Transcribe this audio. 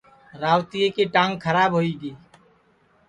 روتیئے کی ٹانگ کھراب ہوئی گی